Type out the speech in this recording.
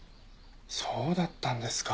そうだったんですか。